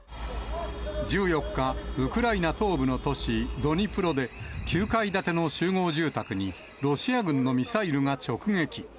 １４日、ウクライナ東部の都市ドニプロで、９階建ての集合住宅に、ロシア軍のミサイルが直撃。